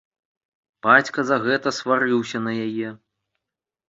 Бацька за гэта сварыўся на яе.